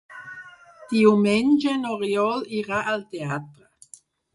Diumenge n'Oriol irà al teatre.